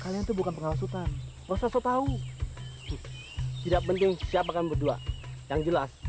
jelas itu bukan pengasutan proseso tahu tidak penting siapakan berdua yang jelas